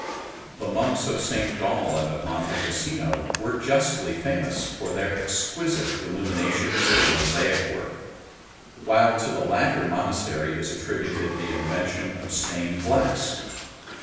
The monks of St. Gall and of Monte Cassino were ST. BENEDICT 119 justly famous for their exquisite illuminations and mosaic work; while to the latter monastery is attributed the invention of stained glass.